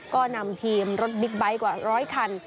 ก็นำทีมรถบิ๊กไบท์กว่าร้อยคัน